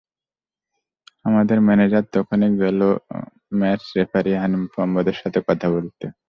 আমাদের ম্যানেজার তখনই গেল ম্যাচ রেফারি হানিফ মোহাম্মদের সঙ্গে কথা বলতে।